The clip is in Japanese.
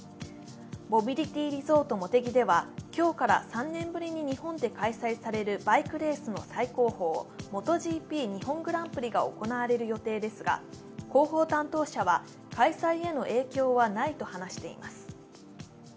モビリティリゾートもてぎでは今日から３年ぶりに日本で開催されるバイクレースの最高峰ＭｏｔｏＧＰ日本グランプリが行われる予定ですが、広報担当者は開催への影響はないと話しています。